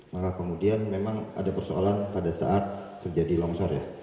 maka kemudian memang ada persoalan pada saat terjadi longsor ya